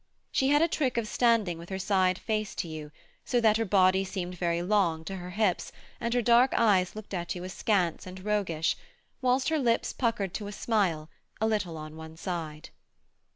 She had a trick of standing with her side face to you, so that her body seemed very long to her hips, and her dark eyes looked at you askance and roguish, whilst her lips puckered to a smile, a little on one side.